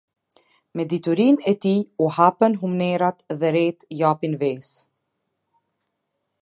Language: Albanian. Me diturinë e tij u hapën humnerat dhe retë japin vesë.